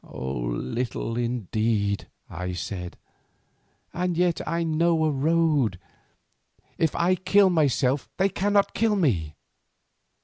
"Little indeed," I said, "and yet I know a road. If I kill myself, they cannot kill me."